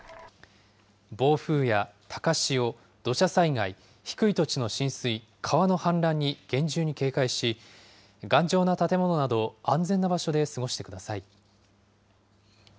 暴風や高潮、土砂災害、低い土地の浸水、川の氾濫に厳重に警戒し、頑丈な建物など、安全な場所で過ごしてください。